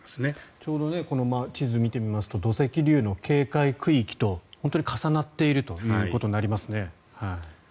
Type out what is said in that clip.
ちょうどこの地図を見てみますと土石流の警戒区域と重なっているということになりますね。